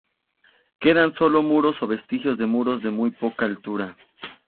Quedan sólo muros o vestigios de muros de muy poca altura.